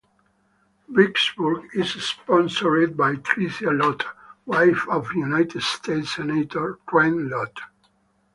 "Vicksburg" is sponsored by Tricia Lott, wife of United States Senator, Trent Lott.